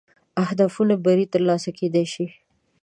اهدافو بری تر لاسه کېدلای شي.